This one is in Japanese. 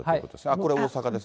これ、大阪です。